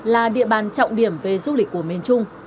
là địa bàn trọng điểm về du lịch của miền trung